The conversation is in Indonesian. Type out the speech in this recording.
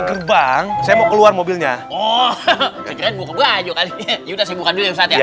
gerbang saya mau keluar mobilnya oh keren buka baju kali ya udah saya buka dulu ya ustadz ya